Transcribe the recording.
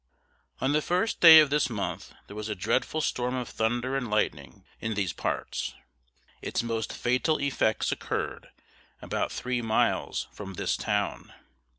On the first day of this month there was a dreadful storm of thunder and lightning in these parts. Its most fatal effects occurred about three miles from this town.